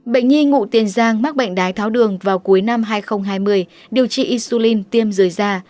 bệnh nhi ngụ tiên giang mắc bệnh đái tháo đường vào cuối năm hai nghìn hai mươi điều trị insulin tiêm rời ra